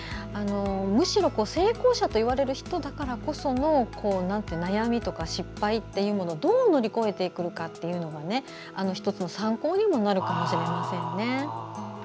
むしろ、成功者といわれる人だからこその悩みとか失敗というものをどう乗り越えていくかというのが１つの参考にもなるかもしれませんよね。